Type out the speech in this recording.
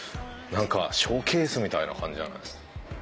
なんかショーケースみたいな感じじゃない？